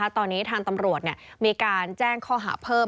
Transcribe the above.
ตอนนี้ทางตำรวจมีการแจ้งข้อหาเพิ่ม